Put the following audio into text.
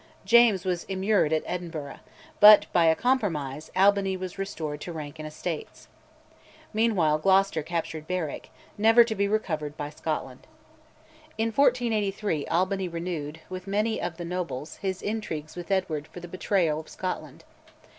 James was immured at Edinburgh, but, by a compromise, Albany was restored to rank and estates. Meanwhile Gloucester captured Berwick, never to be recovered by Scotland. In 1483 Albany renewed, with many of the nobles, his intrigues with Edward for the betrayal of Scotland.